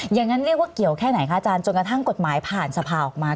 อย่างนั้นเรียกว่าเกี่ยวแค่ไหนคะอาจารย์จนกระทั่งกฎหมายผ่านสภาออกมา